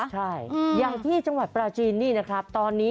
ใช่ยังที่จังหวัดปลาจีนตอนนี้นะครับ